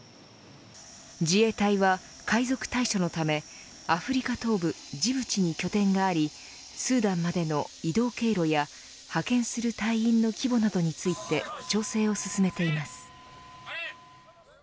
自衛隊は海賊対処のためアフリカ東部、ジブチに拠点があり、スーダンまでの移動経路や、派遣する隊員の規模などについて調整を進めています。